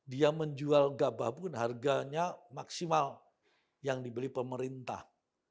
dia menjual gabah pun harganya maksimal yang dibeli pemerintah